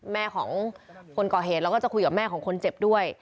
แม่ของคนก่อเหตุแล้วก็จะคุยกับแม่ของคนเจ็บด้วย